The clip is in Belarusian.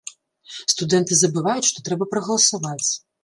Студэнты забываюць, што трэба прагаласаваць.